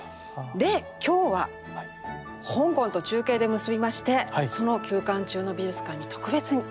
で今日は香港と中継で結びましてその休館中の美術館に特別に。